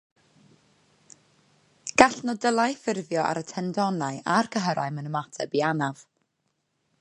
Gall nodylau ffurfio ar y tendonau a'r cyhyrau mewn ymateb i anaf.